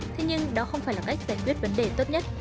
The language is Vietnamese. thế nhưng đó không phải là cách giải quyết vấn đề tốt nhất